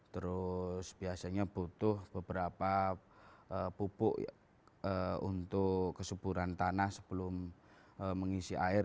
terus biasanya butuh beberapa pupuk untuk kesuburan tanah sebelum mengisi air